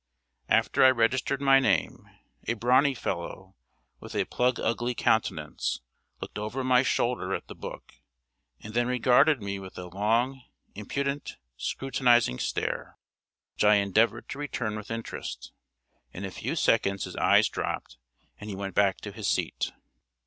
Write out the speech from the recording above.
After I registered my name, a brawny fellow, with a "plug ugly" countenance, looked over my shoulder at the book, and then regarded me with a long, impudent, scrutinizing stare, which I endeavored to return with interest. In a few seconds his eyes dropped, and he went back to his seat.